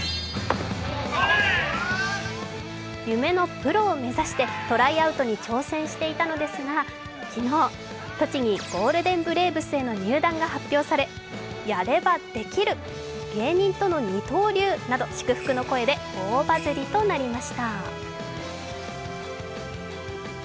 夢のプロを目指して、トライアウトに挑戦していたのですが昨日、栃木ゴールデンブレーブスへの入団が発表されやればできる、芸人との二刀流など祝福の声で大バズりとなりました。